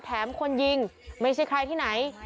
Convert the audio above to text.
คนยิงไม่ใช่ใครที่ไหน